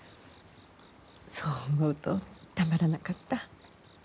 そう思うとたまらなかった。